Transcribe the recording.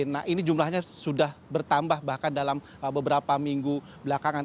nah ini jumlahnya sudah bertambah bahkan dalam beberapa minggu belakangan